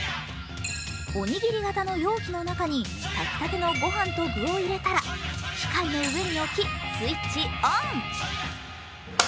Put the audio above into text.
おにぎり型の容器の中に炊きたてのご飯と具を入れたら機械の上に置き、スイッチオン。